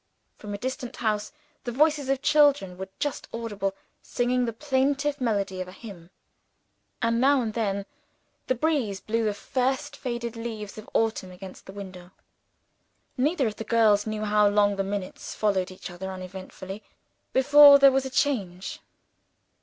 From a distant house the voices of children were just audible, singing the plaintive melody of a hymn; and, now and then, the breeze blew the first faded leaves of autumn against the window. Neither of the girls knew how long the minutes followed each other uneventfully, before there was a change.